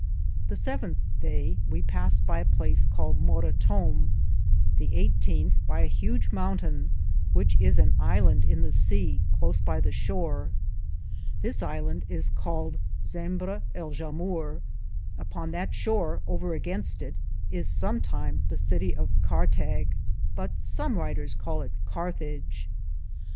The seventhe daye we passed by a place caled Morrottome. The 1 8th, by a hudge mountaine, which is an Ilande in the seae, close by the shore. This ilande is called Simberrie.^ Upon that shore, over againste it, was somtime the Cittie of Carttag, but some wryteres caled it Carthage.